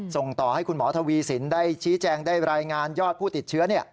ส่งต่อให้คุณหมอทวีสินได้ชี้แจงได้รายงานยอดผู้ติดเชื้อ